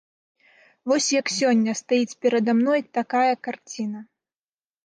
Вось як сёння стаіць перад мной такая карціна.